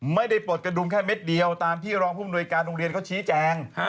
ปลดกระดุมแค่เม็ดเดียวตามที่รองผู้มนวยการโรงเรียนเขาชี้แจง